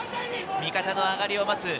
味方の上がりを待つ。